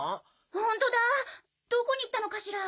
ホントだどこに行ったのかしら？